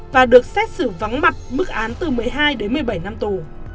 và được xét xử vắng mặt mức án từ một mươi hai đến một mươi bảy năm tù